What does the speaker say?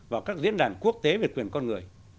vào các diễn đàn quốc tế về quyền con người